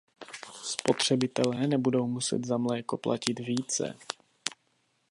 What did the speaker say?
Spotřebitelé nebudou muset za mléko platit více.